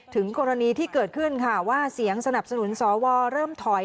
ถึงกรณีที่เกิดขึ้นค่ะว่าเสียงสนับสนุนสวเริ่มถอย